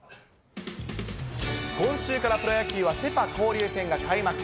今週からプロ野球はセ・パ交流戦が開幕。